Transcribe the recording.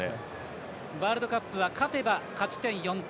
ワールドカップは勝てば勝ち点４点。